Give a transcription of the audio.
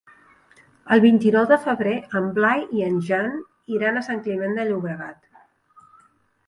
El vint-i-nou de febrer en Blai i en Jan iran a Sant Climent de Llobregat.